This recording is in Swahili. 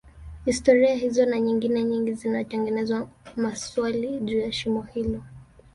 historia hizo na nyingine nyingi zinatengeza maswali juu ya shimo hilo